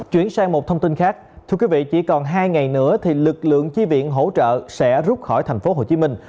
chuyển sang một thông tin khác thưa quý vị chỉ còn hai ngày nữa thì lực lượng chi viện hỗ trợ sẽ rút khỏi thành phố hồ chí minh